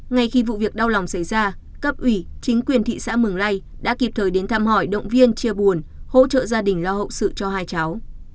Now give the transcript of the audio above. ngay khi vụ việc đau lòng xảy ra cấp ủy chính quyền thị xã mường lây đã kịp thời đến thăm hỏi động viên chia buồn hỗ trợ gia đình lo hậu sự cho hai cháu